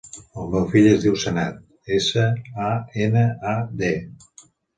El meu fill es diu Sanad: essa, a, ena, a, de.